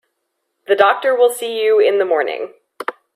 The doctor will see you in the morning.